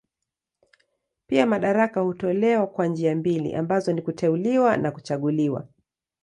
Pia madaraka hutolewa kwa njia mbili ambazo ni kuteuliwa na kuchaguliwa.